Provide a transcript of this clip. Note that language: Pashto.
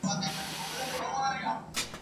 لار به وي ورکه له کاروانیانو !.